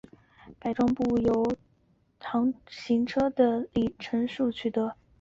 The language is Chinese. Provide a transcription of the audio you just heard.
改装部品则藉由行车的里程数取得。